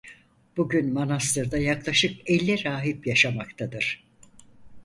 Bugün manastırda yaklaşık elli rahip yaşamaktadır.